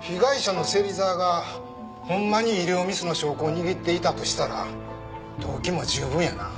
被害者の芹沢がホンマに医療ミスの証拠を握っていたとしたら動機も十分やな。